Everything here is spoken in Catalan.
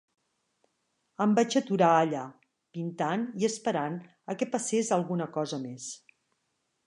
Em vaig aturar allà, pintant i esperant a que passés alguna cosa més.